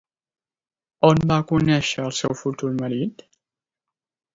On va conèixer al seu futur marit?